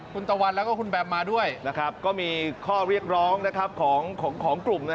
คุณตะวันแล้วก็คุณแบบมาด้วยนะครับก็มีข้อเรียกร้องนะครับของกลุ่มนะครับ